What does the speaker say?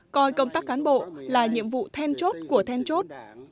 coi công tác cán bộ là nhiệm vụ then chốt của then chốt